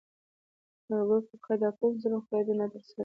نورګل کاکا : دا کوم ظلم خداى ناترسه په